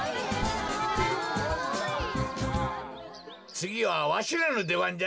つぎはわしらのでばんじゃな。